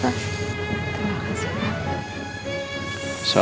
terima kasih pak